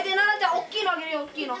大きいのあげるよ大きいの。